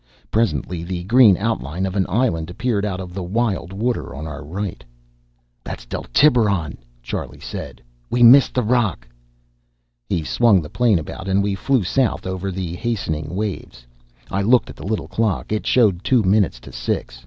Presently the green outline of an island appeared out of the wild water on our right. "That's Del Tiburon," Charlie said. "We missed the rock." He swung the plane about and we flew south over the hastening waves. I looked at the little clock. It showed two minutes to six.